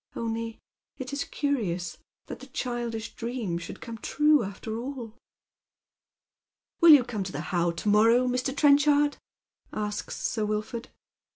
Only it is curious that the childish dream should come trae aftei* all." "Will you come to the How to morrow," Mr. Trench ard?" asks Sir Wilford.